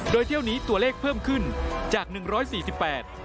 โดยเที่ยวนี้ตัวเลขเพิ่มขึ้นจากหนึ่งร้อยสี่สิบแปด